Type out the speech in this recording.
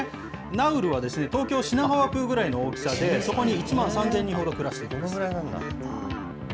ナウルは東京・品川区ぐらいの大きさで、そこに１万３０００人ほど暮らしています。